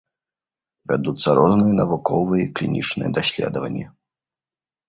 Вядуцца розныя навуковыя і клінічныя даследаванні.